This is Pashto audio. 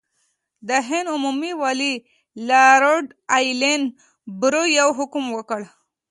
د هند عمومي والي لارډ ایلن برو یو حکم وکړ.